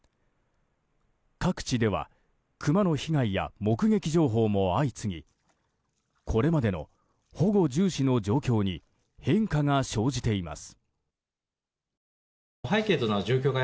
各地ではクマの被害や目撃情報も相次ぎこれまでの保護重視の状況に変化が生じています。